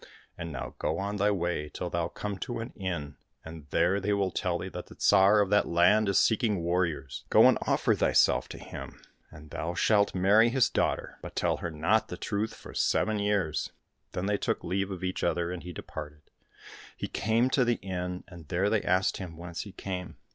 And now go on thy way till thou come to an inn, and there they will tell thee that the Tsar of that land is seeking warriors. Go and offer thyself to him, and thou shalt marry his daughter, but tell her not the 114 DANIEL WAVED HIS SWORD 114 THE STORY OF UNLUCKY DANIEL truth for seven years !" Then they took leave of each other, and he departed. He came to the inn, and there they asked him whence he came.